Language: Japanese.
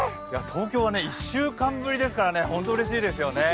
東京は１週間ぶりですから本当にうれしいですよね。